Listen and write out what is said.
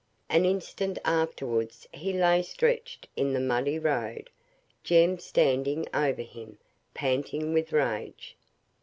An instant afterwards he lay stretched in the muddy road, Jem standing over him, panting with rage.